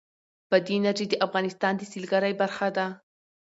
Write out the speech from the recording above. بادي انرژي د افغانستان د سیلګرۍ برخه ده.